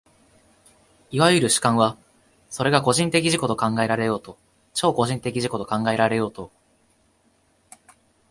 いわゆる主観は、それが個人的自己と考えられようと超個人的自己と考えられようと、